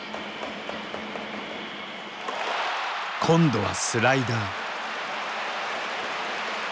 今度はスライダー。